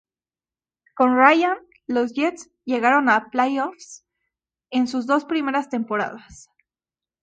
Con Ryan, los Jets llegaron a playoffs en sus dos primeras temporadas.